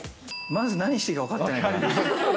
まず何していいか分かってないから。